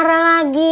ntar dia marah lagi